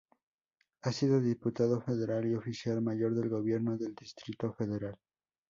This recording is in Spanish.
Ha sido diputado federal y oficial mayor del gobierno del Distrito Federal.